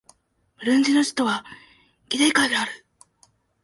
ブルンジの首都はギテガである